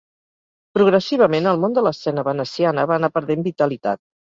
Progressivament el món de l'escena veneciana va anar perdent vitalitat.